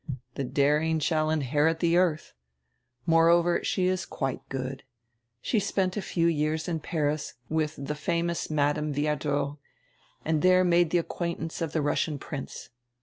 "The daring shall inherit die eardi. Moreover she is quite good. She spent a few years in Paris widi die famous Madame Viardot, and diere made die acquaintance of die Russian Prince.